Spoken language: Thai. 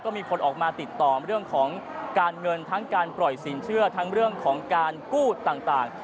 มีคนออกมาติดต่อเรื่องของการเงินทั้งการปล่อยสินเชื่อทั้งเรื่องของการกู้ต่าง